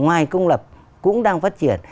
ngoài công lập cũng đang phát triển